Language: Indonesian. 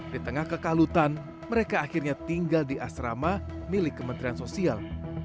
di tengah kekalutan mereka akhirnya tinggal di asrama milik kementerian sosial